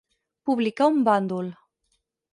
Publicar un bàndol.